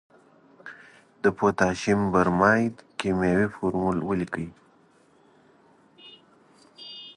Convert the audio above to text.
د پوتاشیم برماید کیمیاوي فورمول ولیکئ.